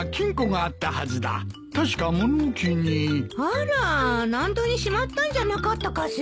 あら納戸にしまったんじゃなかったかしら。